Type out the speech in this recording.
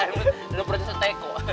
udah proses seteko